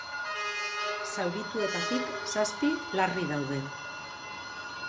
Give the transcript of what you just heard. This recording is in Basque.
Zaurituetatik zazpi larri daude.